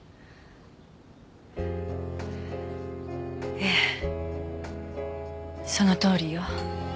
ええそのとおりよ。